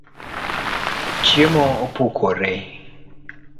Chiemo opukore